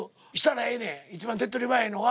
一番手っ取り早いのは。